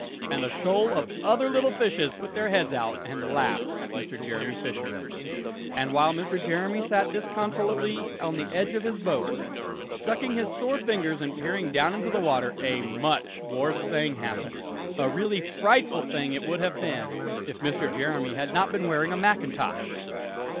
And a shoal of other little fishes put their heads out, and laughed at Mr. Jeremy Fisher. And while Mr. Jeremy sat disconsolately on the edge of his boat sucking his sore fingers and peering down into the water a much worse thing happened; a really frightful thing it would have been, if Mr. Jeremy had not been wearing a macintosh!